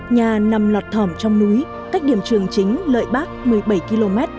nhà nằm lọt thỏm trong núi cách điểm trường chính lợi bác một mươi bảy km